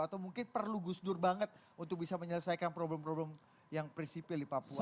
atau mungkin perlu gus dur banget untuk bisa menyelesaikan problem problem yang prinsipil di papua